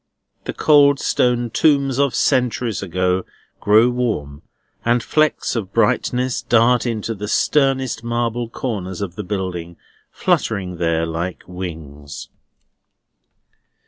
The cold stone tombs of centuries ago grow warm; and flecks of brightness dart into the sternest marble corners of the building, fluttering there like wings.